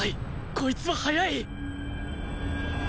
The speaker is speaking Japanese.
こいつは速い！